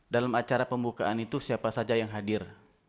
dalam acara pembukaan itu siapa saja yang hadir